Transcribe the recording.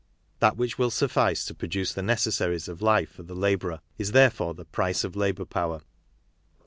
That which will suffice to produce the necessaries of life for the labourer is therefore th^_price_ol labour power.